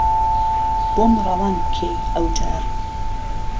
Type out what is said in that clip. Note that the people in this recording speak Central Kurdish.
بۆم ڕەوان پکهی ئهو جار